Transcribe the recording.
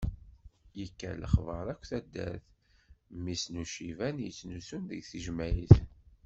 Yekka lexbar akk taddart, mmi-s n uciban yettnusun deg tejmeɛt.